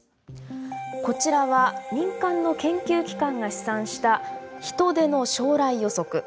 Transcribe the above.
こちらは民間の研究機関が試算した「人手の将来予測」。